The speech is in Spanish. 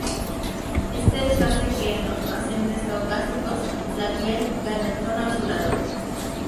Este hecho hace que en los pacientes caucásicos la piel gane un tono azulado.